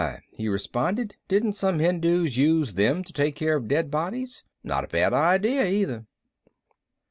he responded. "Didn't some Hindus use them to take care of dead bodies? Not a bad idea, either."